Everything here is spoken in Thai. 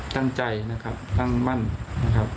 ตั้งใจนะครับตั้งมั่นนะครับ